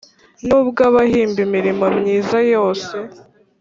N ubw abahimba imirimo myiza yose